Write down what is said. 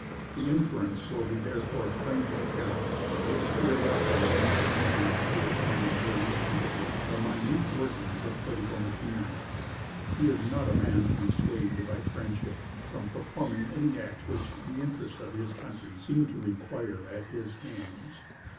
The inference will therefore be plainly apparent, that his curiosity does not lead him to examine very attentively the minute workings of political machinery. He is not a man to be swayed by friendship from performing any act which the interests of his country seem to require at his hands.